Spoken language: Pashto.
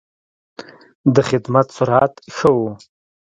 د خدمت سرعت ښه و.